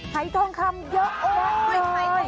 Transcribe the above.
หายทองคำเยอะโอ๊ย